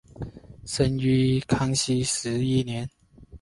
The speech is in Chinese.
生于康熙十一年。